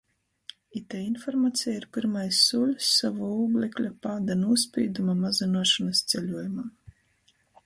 Itei informaceja ir pyrmais sūļs sova ūglekļa pāda nūspīduma mazynuošonys ceļuojumā.